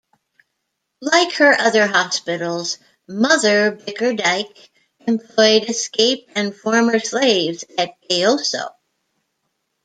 Like her other hospitals, "Mother" Bickerdyke employed escaped and former slaves at Gayoso.